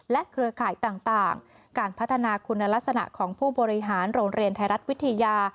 เครือข่ายต่างการพัฒนาคุณลักษณะของผู้บริหารโรงเรียนไทยรัฐวิทยา